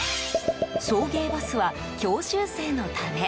送迎バスは、教習生のため。